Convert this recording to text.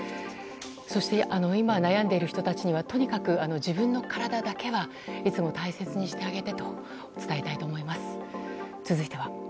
そして今悩んでいる人たちにはとにかく自分の体だけはいつも大切にしてあげてと伝えたいと思います。